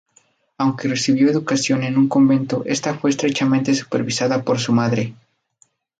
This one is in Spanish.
Aunque recibió educación en un convento, esta fue estrechamente supervisada por su madre.